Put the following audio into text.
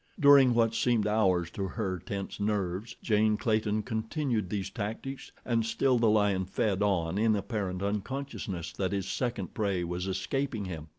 During what seemed hours to her tense nerves, Jane Clayton continued these tactics, and still the lion fed on in apparent unconsciousness that his second prey was escaping him.